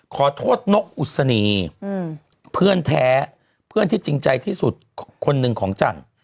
ขอโทษนกอุศนีเพื่อนแท้เพื่อนที่จริงใจที่สุดคนหนึ่งของจันทร์